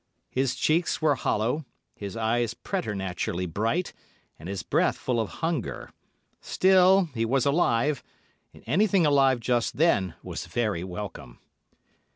His cheeks were hollow, his eyes preternaturally bright, and his breath full of hunger. Still, he was alive, and anything alive just then was very welcome.